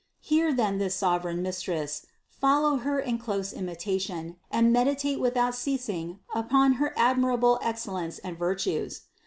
Hear then this sover eign Mistress; follow Her in close imitation, and meditate without ceasing upon her admirable excellence and vir tues.